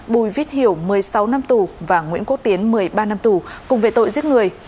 bùi viết hiểu một mươi sáu năm tù và nguyễn quốc tiến một mươi ba năm tù cùng về tội giết người